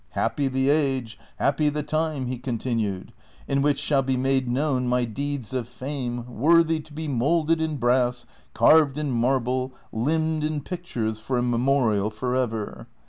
^" Happy the age, happy the time," he continired, " in which shall be made known my deeds of fame, A\^orthy to be moulded in brass, carved in marble, limned in pictures, for a memorial forever.